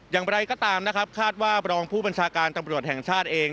อย่างไรก็ตามนะครับคาดว่าบรองผู้บัญชาการตำรวจแห่งชาติเอง